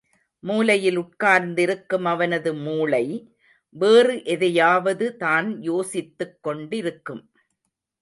மூலையில் உட்கார்ந்திருக்கும் அவனது மூளை, வேறு எதையாவது தான் யோசித்துக் கொண்டிருக்கும்.